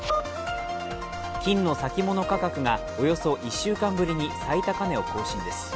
金の先物価格がおよそ１週間ぶりに最高値を更新です。